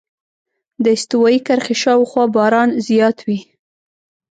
د استوایي کرښې شاوخوا باران زیات وي.